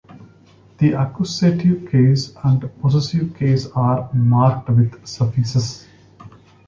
The accusative case and possessive case are marked with suffixes.